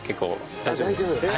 大丈夫？